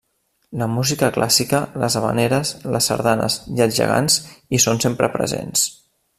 La música clàssica, les havaneres, les sardanes i els gegants hi són sempre presents.